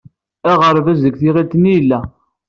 Aɣerbaz deg tiɣilt-nni i yella.